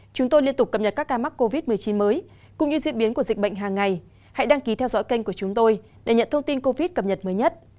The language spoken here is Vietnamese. các bạn hãy đăng ký kênh của chúng tôi để nhận thông tin cập nhật mới nhất